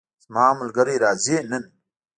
زما ملګری راځي نن